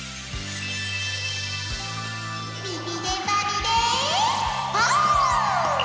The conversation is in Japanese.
ビビデバビデポー！